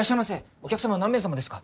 お客様何名様ですか？